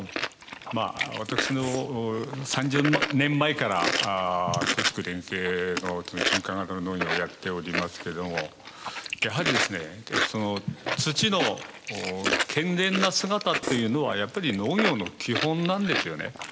まあ私の３０年前から耕畜連携の循環型の農業をやっておりますけどもやはりその土の健全な姿というのはやっぱり農業の基本なんですよね。